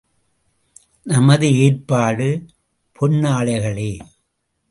நமது ஏற்பாடு பொன்னாடைகளே!